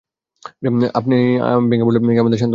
Aunty, আপনি ভেঙ্গে পরলে, কে আমাদের সান্ত্বনা দেবে?